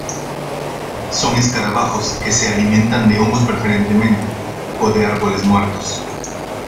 Son escarabajos que se alimentan de hongos preferentemente o de árboles muertos.